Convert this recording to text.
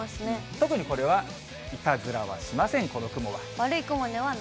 特にこれはいたずらはしませ悪い雲ではない？